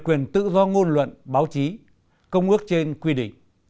quyền tự do ngôn luận báo chí công ước trên quy định